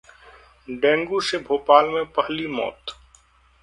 dengue से भोपाल में पहली मौत